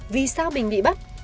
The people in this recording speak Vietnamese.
vì sao mình bị bắt